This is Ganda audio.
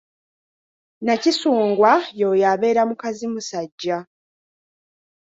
Nakisungwa y'oyo abeera mukazimusajja.